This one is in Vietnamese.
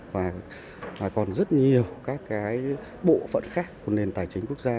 và còn rất nhiều các cái bộ phận khác của nền tài chính quốc gia